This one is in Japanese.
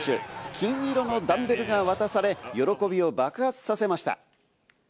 金色のダンベルが渡され、喜びを爆発させました。